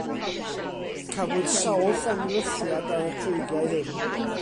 Cafwyd sawl llongddrylliad ar y creigiau hyn.